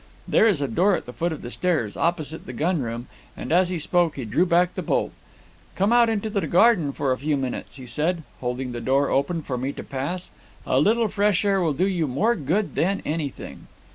There is a door at the foot of the stairs, opposite the gun room, and as he spoke he drew back the bolt. 'Come out into the garden for a few minutes,' he said, holding the door open for me to pass, 'a little fresh air will do you more good than anything.'